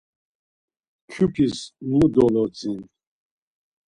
Kyupis mu dolodzin?